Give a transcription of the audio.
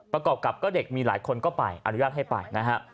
ประกอบกับก็เด็กมีหลายคนก็ไปอนุญาตให้ไปนะฮะ